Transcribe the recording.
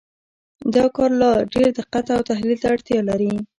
دا کار لا ډېر دقت او تحلیل ته اړتیا لري.